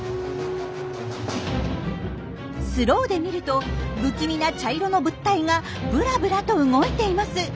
スローで見ると不気味な茶色の物体がブラブラと動いています。